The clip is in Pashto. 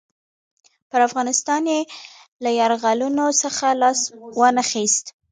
پر افغانستان یې له یرغلونو څخه لاس وانه خیست.